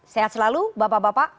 sehat selalu bapak bapak